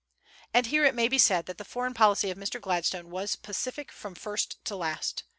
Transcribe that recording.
And here it may be said that the foreign policy of Mr. Gladstone was pacific from first to last.